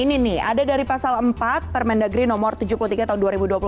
ini nih ada dari pasal empat permendagri nomor tujuh puluh tiga tahun dua ribu dua puluh satu